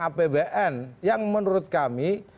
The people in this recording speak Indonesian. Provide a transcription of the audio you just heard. apbn yang menurut kami